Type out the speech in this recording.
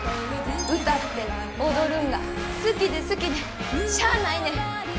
歌って踊るんが好きで好きでしゃあないねん。